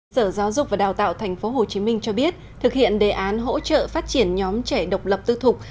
sở giáo dục và đào tạo tp hcm cho biết thực hiện đề án hỗ trợ phát triển nhóm trẻ độc lập tư thục